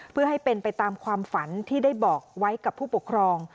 เพื่อให้เป็นไปตามความฝันที่ได้บอกไว้กับผู้ปกครอง